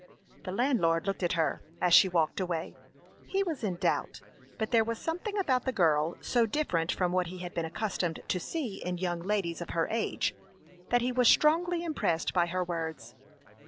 The landlord looked at her, as she walked away. He was in doubt, but there was something about the girl so different from what he had been accustomed to see in young ladies of her age, that he was strongly impressed by her words.